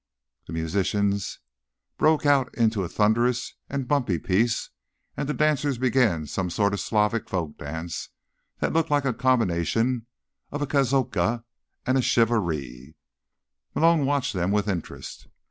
The musicians broke out into a thunderous and bumpy piece, and the dancers began some sort of Slavic folk dance that looked like a combination of a kazotska and a shivaree. Malone watched them with interest.